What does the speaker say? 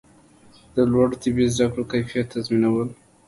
د لوړو طبي زده کړو د کیفیت تضمینول